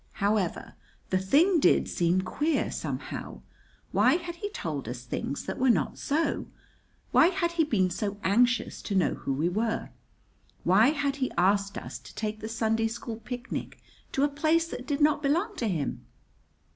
However, the thing did seem queer, somehow. Why had he told us things that were not so? Why had he been so anxious to know who we were? Why, had he asked us to take the Sunday school picnic to a place that did not belong to him?